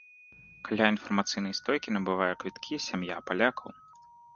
Каля інфармацыйнай стойкі набывае квіткі сям'я палякаў.